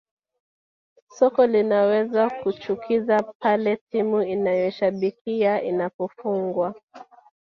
Soka linaweza kuchukiza pale timu unayoishabikia inapofungwa